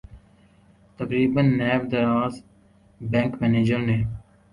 تقریبا نیم دراز بینک منیجر نے